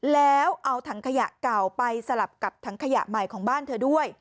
แล้วเอาถังขยะเก่าไปสลับกับถังขยะใหม่ของบ้านเธอด้วย